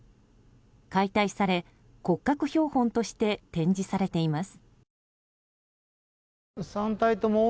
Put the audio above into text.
解体され、骨格標本として展示されています。